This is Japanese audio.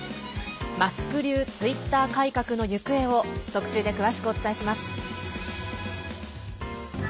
マスク流ツイッター改革の行方を特集で詳しくお伝えします。